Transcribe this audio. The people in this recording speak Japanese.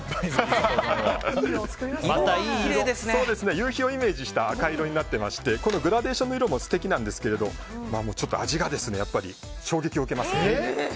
夕日をイメージした赤色になっていましてグラデーションの色も素敵なんですが味が衝撃を受けます。